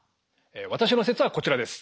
私の説はこちらです。